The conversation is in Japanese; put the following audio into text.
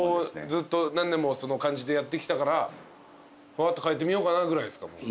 ずっと何年もその漢字でやってきたから変えてみようかなぐらいですか？